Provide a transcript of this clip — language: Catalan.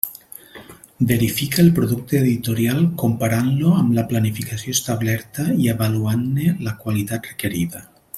Verifica el producte editorial comparant-lo amb la planificació establerta i avaluant-ne la qualitat requerida.